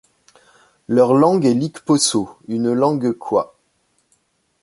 Leur langue est l'ikposso, une langue kwa.